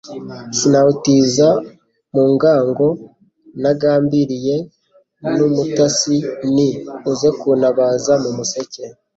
sinawutiza mu ngango nagambiliye n'umutasi nti: Uze kuntabaza mu museke,